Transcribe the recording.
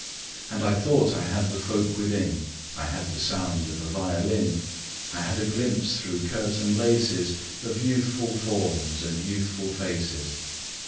And I thought I had the folk within: I had the sound of a violin; I had a glimpse through curtain laces Of youthful forms and youthful faces.